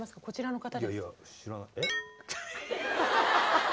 こちらの方です。